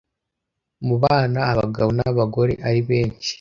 Mu bana abagabo n'abagore ari benshi